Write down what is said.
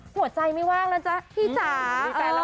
หัวใจไม่ว่างแล้วจ๊ะพี่จ๋า